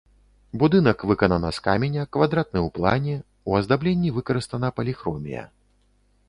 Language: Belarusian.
Будынак выканана з каменя, квадратны ў плане, у аздабленні выкарыстана паліхромія.